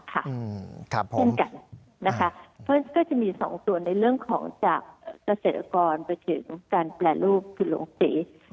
เพราะฉะนั้นก็จะมี๒ตัวในเรื่องของจากเศรษฐกรไปถึงแปลรูปเพราะมันก็คือหลงศัภริกา